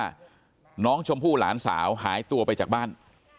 ว่าน้องชมพู่หลานสาวหายตัวไปจากบ้าน